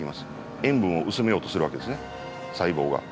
塩分を薄めようとするわけですね細胞が。